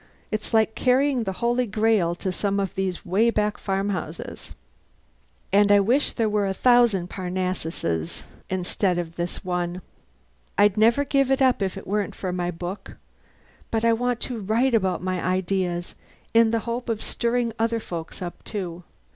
It's like carrying the Holy Grail to some of these way back farmhouses. And I wish there were a thousand Parnassuses instead of this one. I'd never give it up if it weren't for my book: but I want to write about my ideas in the hope of stirring other folk up, too.